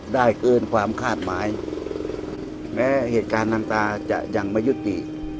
เกินความคาดหมายแม้เหตุการณ์น้ำตาจะยังไม่ยุติ